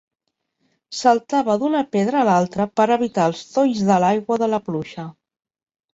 Saltava d'una pedra a l'altra per evitar els tolls de l'aigua de la pluja.